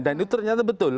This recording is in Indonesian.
dan itu ternyata betul